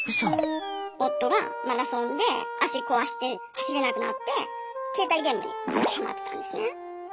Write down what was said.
夫がマラソンで足壊して走れなくなって携帯ゲームにずっとハマってたんですね。